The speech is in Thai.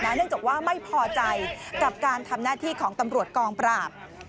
เนื่องจากว่าไม่พอใจกับการทำหน้าที่ของตำรวจกองปราบ